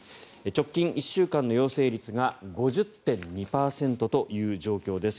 直近１週間の陽性率が５０．２％という状況です。